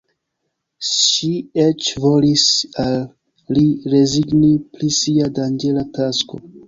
Ŝi eĉ volis al li rezigni pri sia danĝera tasko.